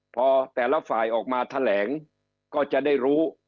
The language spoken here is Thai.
พอแต่ละฝ่ายออกมาแถลงก็จะได้รู้